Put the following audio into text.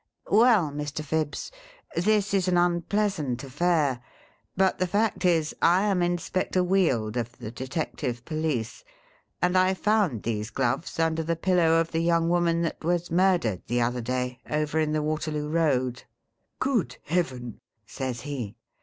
'Well, Mr. Phibbs, this is an un pleasant affair ; but the fact is, I am In spector Wield of the Detective Police, and I found these gloves under the pillow of the young woman that was murdered the other day, over in the Waterloo Eoad T ' Good Heaven !? says he.